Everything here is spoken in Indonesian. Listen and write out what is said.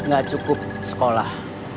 gak cukup sekolah